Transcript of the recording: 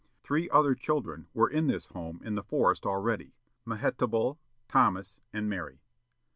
Three other children were in this home in the forest already; Mehetabel, Thomas, and Mary.